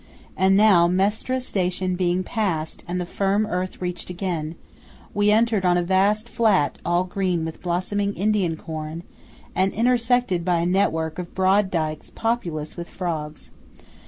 And now, Mestre station being passed and the firm earth reached again, we entered on a vast flat all green with blossoming Indian corn and intersected by a network of broad dykes populous with frogs.